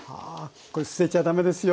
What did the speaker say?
これ捨てちゃだめですよ。